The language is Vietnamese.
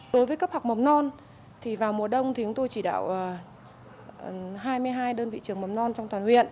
đối với cấp học mầm non thì vào mùa đông thì chúng tôi chỉ đạo hai mươi hai đơn vị trường mầm non trong toàn huyện